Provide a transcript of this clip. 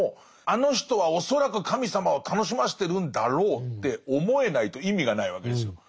「あの人は恐らく神様を楽しませてるんだろう」って思えないと意味がないわけですよ。